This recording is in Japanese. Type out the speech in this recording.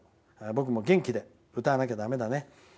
僕も元気で歌わなきゃだめだね。